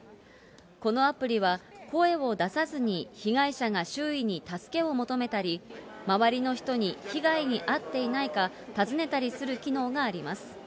このアプリは声を出さずに、被害者が周囲に助けを求めたり、周りの人に被害に遭っていないか尋ねたりする機能があります。